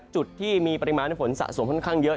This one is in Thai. จุดที่มีปริมาณฝนสะสมค่อนข้างเยอะ